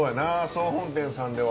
総本店さんでは？